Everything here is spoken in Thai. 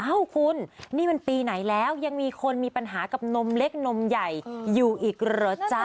เอ้าคุณนี่มันปีไหนแล้วยังมีคนมีปัญหากับนมเล็กนมใหญ่อยู่อีกเหรอจ๊ะ